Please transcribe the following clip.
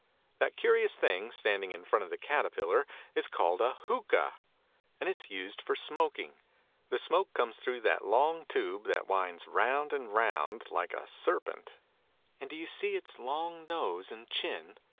That curious thing, standing in front of the Caterpillar, is called a " hookah ": and it's used for smoking. The smoke comes through that long tube, that winds round and round like a serpent. And do you see its long nose and chin